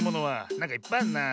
なんかいっぱいあるな。